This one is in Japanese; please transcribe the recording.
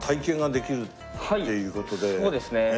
はいそうですね。